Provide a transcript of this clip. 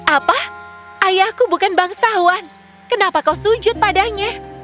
apa ayahku bukan bangsawan kenapa kau sujud padanya